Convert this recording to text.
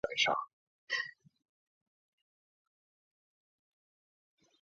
在根宝足校时他通常司职中前卫或者后腰。